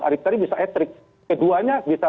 hari tadi bisa etrik keduanya bisa